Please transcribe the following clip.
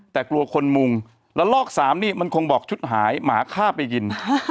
แต่กลัวคนมุงแล้วลอกสามนี่มันคงบอกชุดหายหมาฆ่าไปกิน